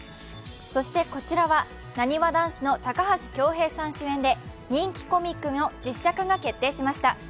そしてこちらは、なにわ男子の高橋恭平さん主演で人気コミックの実写化が決定しました。